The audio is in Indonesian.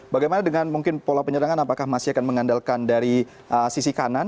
bagaimana dengan mungkin pola penyerangan apakah masih akan mengandalkan dari sisi kanan